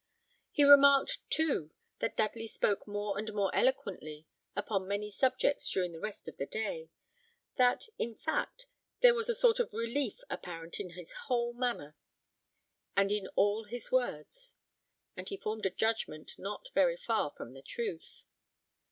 He remarked, too, that Dudley spoke more and more eloquently upon many subjects during the rest of the day; that, in fact, there was a sort of relief apparent in his whole manner, and in all his words; and he formed a judgment not very far from the truth.